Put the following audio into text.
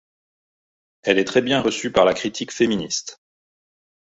Elle est très bien reçue par la critique féministe.